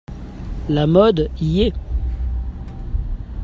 La mode y est.